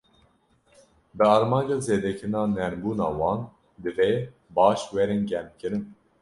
Bi armanca zêdekirina nermbûna wan, divê baş werin germkirin.